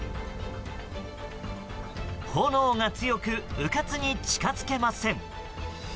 炎が強くうかつに近づけません。